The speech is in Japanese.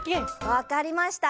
わかりました。